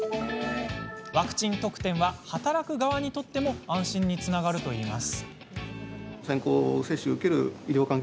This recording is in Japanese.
ワクチン特典は働く側にとっても安心につながるといいます。